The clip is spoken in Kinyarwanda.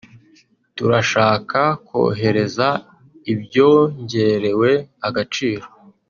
turashaka kohereza ibyongerewe agaciro